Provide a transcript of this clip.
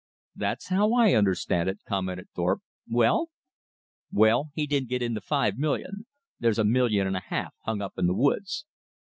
"That's how I understand it," commented Thorpe. "Well?" "Well, he didn't get in the five million. There's a million and a half hung up in the woods."